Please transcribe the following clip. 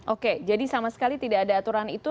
oke jadi sama sekali tidak ada aturan itu